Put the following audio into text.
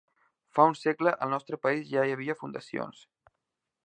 Fa un segle, al nostre país ja hi havia fundacions.